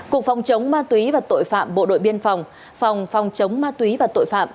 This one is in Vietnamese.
cục phòng chống ma túy và tội phạm bộ đội biên phòng phòng chống ma túy và tội phạm